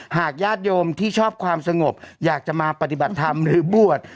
ญาติโยมที่ชอบความสงบอยากจะมาปฏิบัติธรรมหรือบวช